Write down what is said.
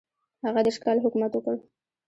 هغه دېرش کاله حکومت وکړ.